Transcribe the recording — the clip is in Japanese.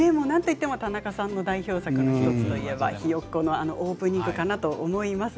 田中さんの代表作の１つといえば「ひよっこ」のオープニングだと思います。